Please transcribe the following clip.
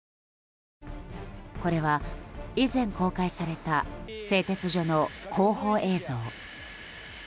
これは以前公開された製鉄所の広報映像。